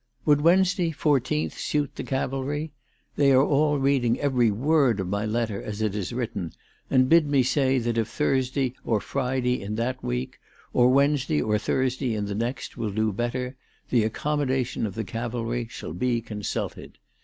Would Wednesday 14th suit the Cavalry ? They are all reading every word of my letter as it is written, and bid me say that if Thursday or Friday in that week, or Wednesday or Thursday in the next, will do better, the accommodation of the Cavalry shall be consulted.